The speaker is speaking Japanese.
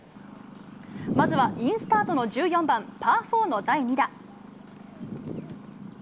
まずはインスタートの１４番、パー４の第２打。